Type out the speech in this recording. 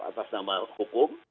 atas nama hukum